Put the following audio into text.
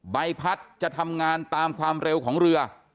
ใบพัดจะทำงานตามความเร็วของเรือ